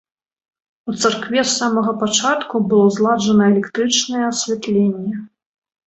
У царкве з самага пачатку было зладжана электрычнае асвятленне.